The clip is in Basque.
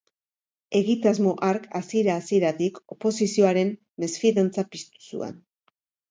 Egitasmo hark, hasiera-hasieratik, oposizioaren mesfidantza piztu zuen.